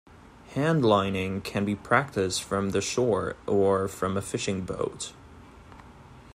Handlining can be practiced from the shore or from a fishing boat.